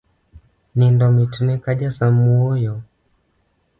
Nindo mitne ja samuoyo